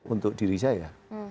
untuk diri saya